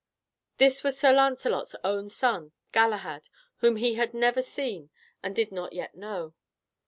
This was Sir Lancelot's own son, Galahad, whom he had never seen, and did not yet know.